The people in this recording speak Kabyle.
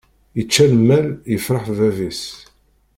Ičča lmal yefṛeḥ bab-is.